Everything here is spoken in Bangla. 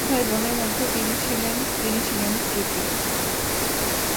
সাত ভাই বোনের মধ্যে তিনি ছিলেন তিনি ছিলেন তৃতীয়।